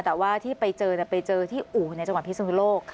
แต่ว่าที่ไปเจอไปเจอที่อู่ในจังหวัดพิศนุโลก